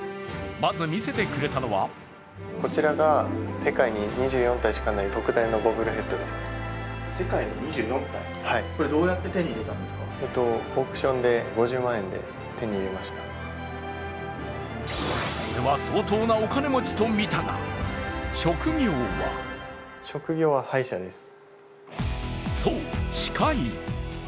まず見せてくれたのはこれは相当なお金持ちかと見たが、職業はそう、歯科医。